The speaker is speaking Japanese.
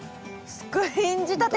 スクリーン仕立て！